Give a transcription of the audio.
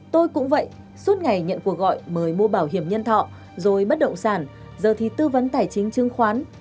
tôi cũng vậy suốt ngày nhận cuộc gọi mời mua bảo hiểm nhân thọ rồi bất động sản giờ thì tư vấn tài chính chứng khoán